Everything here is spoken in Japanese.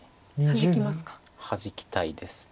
ハジきたいです。